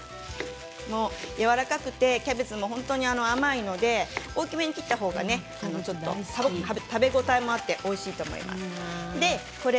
やわらかくてキャベツも甘いので大きめに切った方が食べ応えもあっておいしいと思います。